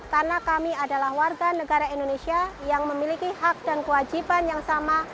karena kami adalah warga negara indonesia yang memiliki hak dan kewajiban yang sama